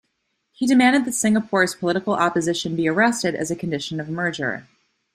He demanded that Singapore's political opposition be arrested as a condition of merger.